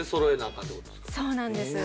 そうなんです。